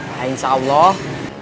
nah insya allah